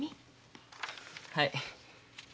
はい。